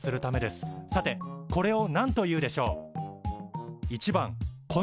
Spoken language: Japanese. さてこれをなんというでしょう？